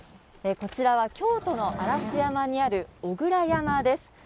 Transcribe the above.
こちらは京都の嵐山にある小倉山です。